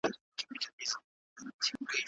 الوتنه د تاریخ په اوږدو کې یادګاري شوه.